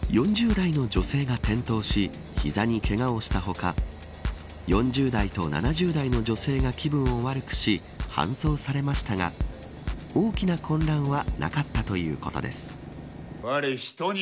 ４０代の女性が転倒し膝にけがをした他４０代と７０代の女性が気分を悪くし搬送されましたが大きな混乱はなかったということです。